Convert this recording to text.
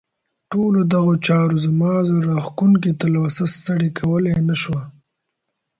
ټولو دغو چارو زما زړه راښکونکې تلوسه ستړې کولای نه شوه.